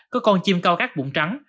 có con chim cao cát bụng trắng